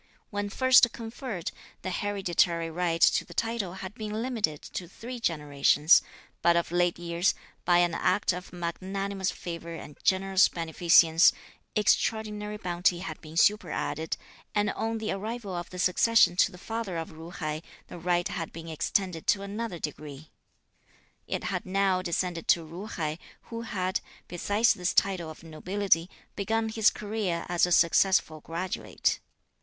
When first conferred, the hereditary right to the title had been limited to three generations; but of late years, by an act of magnanimous favour and generous beneficence, extraordinary bounty had been superadded; and on the arrival of the succession to the father of Ju hai, the right had been extended to another degree. It had now descended to Ju hai, who had, besides this title of nobility, begun his career as a successful graduate.